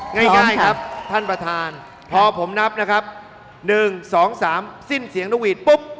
ง่ายครับท่านประธานพอผมนับนะครับ๑๒๓สิ้นเสียงนกหวีดปุ๊บ